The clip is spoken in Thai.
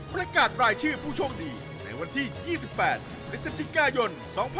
ประกาศรายชื่อผู้โชคดีในวันที่๒๘พฤศจิกายน๒๕๖๒